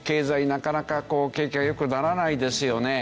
なかなかこう景気が良くならないですよね。